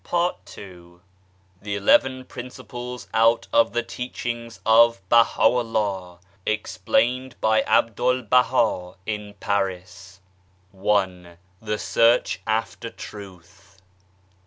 PART II The Eleven Principles out of the Teaching of BahaVllah, Explained by Abdul Baha in Paris. I. The Search after Truth.